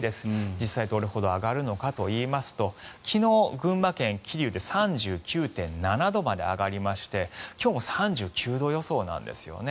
実際、どれほど上がるのかといいますと昨日、群馬県桐生で３９．７度まで上がりまして今日も３９度予想なんですよね。